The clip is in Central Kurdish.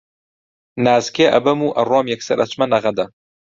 نازکێ ئەبەم و ئەڕۆم یەکسەر ئەچمە نەغەدە